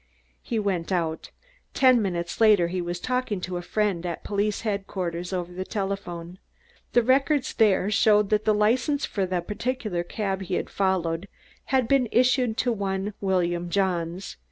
He went out. Ten minutes later he was talking to a friend in police headquarters, over the telephone. The records there showed that the license for the particular cab he had followed had been issued to one William Johns.